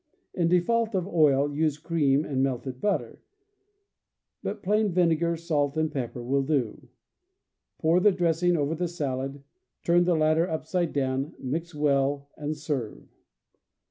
In de fault of oil, use cream and melted butter; but plain vinegar, salt and pepper will do. Pour the dressing over the salad, turn the latter upside down, mix well and serve.